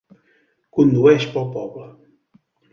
Condueix pel poble.